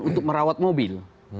untuk merawat mobil